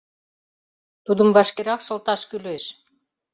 — Тудым вашкерак шылташ кӱлеш!